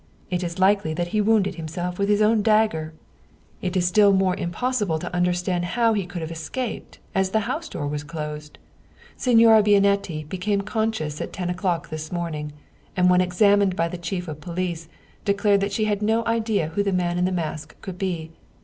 It is likely that he wounded himself with his own dagger. It is still more German Mystery Stories impossible to understand how he could have escaped, as the house door was closed. Signora Bianetti became con scious at ten o'clock this morning, and when examined by the chief of police, declared that she had no idea who the man in the mask could be.